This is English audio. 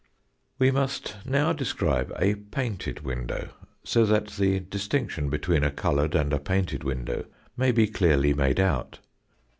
We must now describe a painted window, so that the distinction between a coloured and a painted window may be clearly made out.